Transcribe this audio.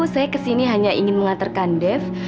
saya ke sini hanya ingin mengantarkan dep